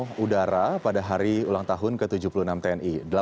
angkatan udara pada hari ulang tahun ke tujuh puluh enam tni